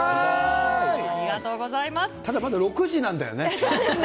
ただまだ６時なんだよね。